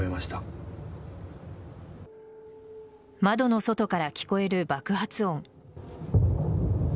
窓の外から聞こえる爆発音。